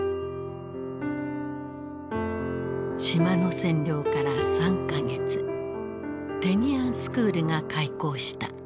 島の占領から３か月テニアンスクールが開校した。